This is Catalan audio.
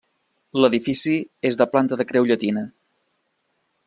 L'edifici és de planta de creu llatina.